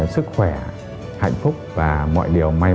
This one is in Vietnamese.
sức khỏe hạnh phúc và mọi điều may